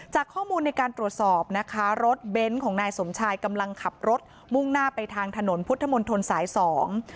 ข้อมูลในการตรวจสอบนะคะรถเบนท์ของนายสมชายกำลังขับรถมุ่งหน้าไปทางถนนพุทธมนตรสายสอง